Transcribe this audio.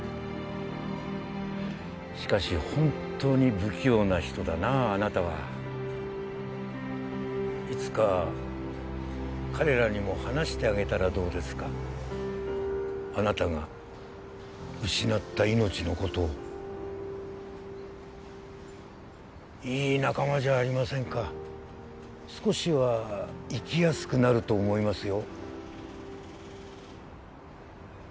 しかし本当に不器用な人だなあなたはいつか彼らにも話してあげたらどうですかあなたが失った命のことをいい仲間じゃありませんか少しは生きやすくなると思いますよ